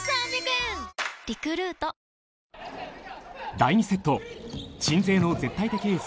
第２セット鎮西の絶対的エース